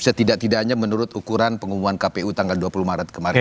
setidak tidaknya menurut ukuran pengumuman kpu tanggal dua puluh maret kemarin